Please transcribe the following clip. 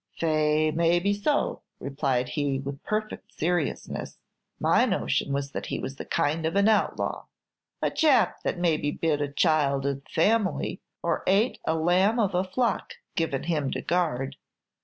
"Faix, may be so," replied he, with perfect seriousness. "My notion was that he was a kind of an outlaw, a chap that maybe bit a child of the family, or ate a lamb of a flock given him to guard.